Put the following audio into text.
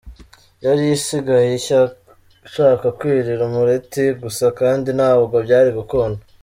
Yari isigaye ishaka kwirira umureti gusa kandi ntabwo byari gukunda”.